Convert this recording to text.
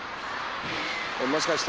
もしかして？